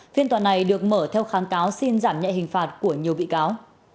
phiên tòa này được mở theo kháng cáo xin giảm nhẹ hình phạt của nhiều bị cáo